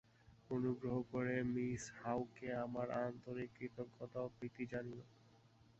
অনুগ্রহ করে মিস হাউকে আমার আন্তরিক কৃতজ্ঞতা ও প্রীতি জানিও।